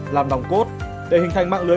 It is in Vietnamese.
làm lòng cốt để hình thành mạng lưới